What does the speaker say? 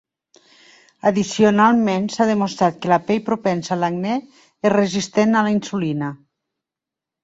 Addicionalment, s'ha demostrat que la pell propensa a l'acne és resistent a la insulina.